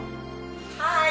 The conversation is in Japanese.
はい！